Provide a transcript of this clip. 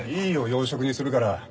洋食にするから。